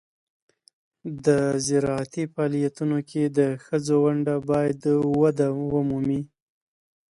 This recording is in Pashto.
د زراعتي فعالیتونو کې د ښځو ونډه باید وده ومومي.